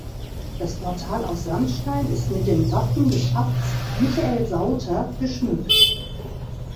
Das Portal aus Sandstein ist mit dem Wappen des Abts Michael Sauter geschmückt.